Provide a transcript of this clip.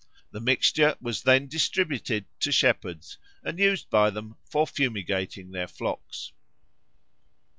The mixture was then distributed to shepherds, and used by them for fumigating their flocks.